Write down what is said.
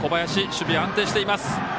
守備、安定しています。